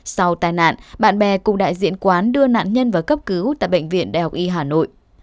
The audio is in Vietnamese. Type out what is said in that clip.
sau tai nạn bạn bè cùng đại diện quán đưa nạn nhân vào cấp cứu tại bệnh viện đại học y hà nội